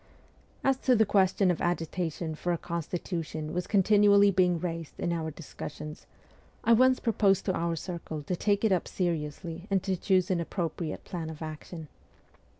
As the question of agitation for a constitution was continually being raised in our discussions, I once pro posed to our circle to take it up seriously and to choose an appropriate plan of action.